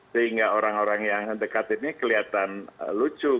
sehingga orang orang yang dekat ini kelihatan lucu